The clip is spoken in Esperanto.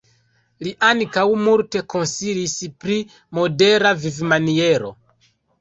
Li ankaŭ multe konsilis pri modera vivmaniero.